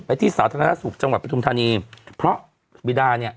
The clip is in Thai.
ไปที่สาธารณสุขจังหวัดประชุมธรรมนีเพราะวิดาเนี้ย